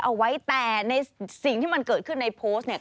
เอาไว้แต่ในสิ่งที่มันเกิดขึ้นในโพสต์เนี่ย